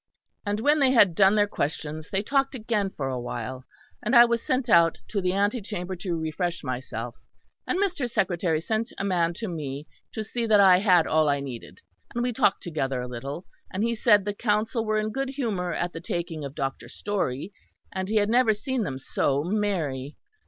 "And when they had done their questions they talked again for a while; and I was sent out to the antechamber to refresh myself; and Mr. Secretary sent a man with me to see that I had all I needed; and we talked together a little, and he said the Council were in good humour at the taking of Dr. Storey; and he had never seen them so merry.